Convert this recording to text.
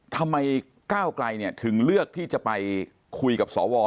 ทำไมก้าวไกลถึงเลือกที่จะไปคุยกับสว